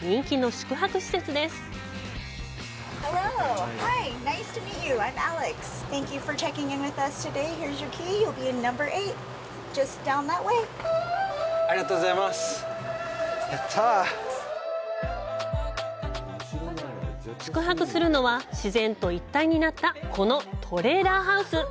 宿泊するのは、自然と一体になったこのトレーラーハウス。